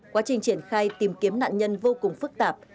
quá trình triển khai tìm kiếm nạn nhân vô cùng phức tạp